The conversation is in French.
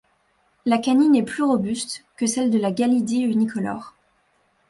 La canine est plus robuste que celle de la Galidie unicolore.